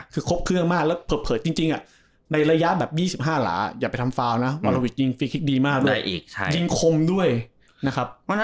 คือครบเครื่องมากแล้วจริงจริงอ่ะในระยะแบบอย่าไปทำนะวัลวิชยิงดีมากได้อีกใช่ยิงคมด้วยนะครับ